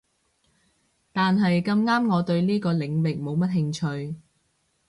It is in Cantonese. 但係咁啱我對呢個領域冇乜興趣